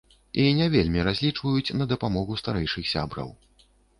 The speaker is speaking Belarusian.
І не вельмі разлічваюць на дапамогу старэйшых сябраў.